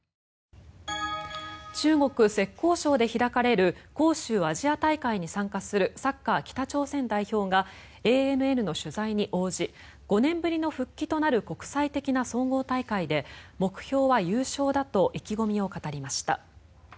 中国・浙江省で開かれる杭州アジア大会に参加するサッカー北朝鮮代表がＡＮＮの取材に応じ５年ぶりの復帰となる国際的な総合大会で目標は優勝だと意気込みを語りました。